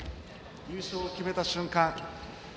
優勝を決めた瞬間